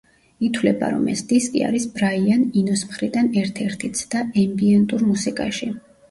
ითვლება, რომ ეს დისკი არის ბრაიან ინოს მხრიდან ერთ-ერთი ცდა ემბიენტურ მუსიკაში.